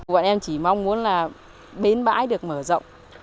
bọn em chỉ mong muốn là bến bãi được mở rộng